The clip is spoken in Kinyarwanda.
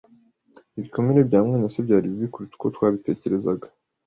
Ibikomere bya mwene se byari bibi kuruta uko twabitekerezaga.